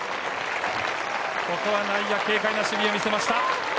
ここは内野、軽快な守備を見せました。